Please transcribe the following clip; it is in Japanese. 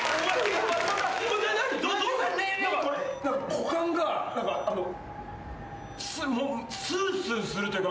股間がスースーするというか。